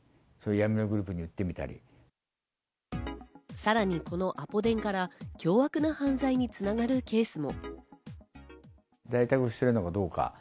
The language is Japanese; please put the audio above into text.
さらに、このアポ電から凶悪な犯罪に繋がるケースも。